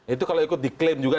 itu kalau ikut diklaim juga